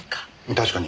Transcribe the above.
確かに。